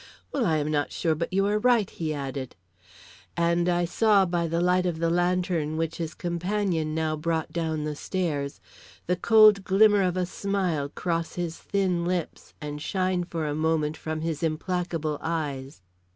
"Well, I not sure but you are right," he added; and I saw by the light of the lantern which his companion now brought down the stairs, the cold glimmer of a smile cross his thin lips and shine for a moment from his implacable eyes.